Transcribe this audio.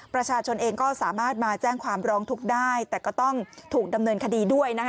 ประชาชนเองก็สามารถมาแจ้งความร้องทุกข์ได้แต่ก็ต้องถูกดำเนินคดีด้วยนะคะ